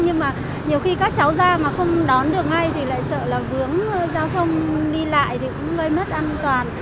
nhưng mà nhiều khi các cháu ra mà không đón được ngay thì lại sợ là vướng giao thông đi lại thì cũng gây mất an toàn